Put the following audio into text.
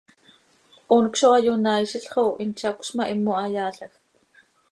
Honc zo hayonaaizil xo hin tzacöz ma, himo hayaalajc.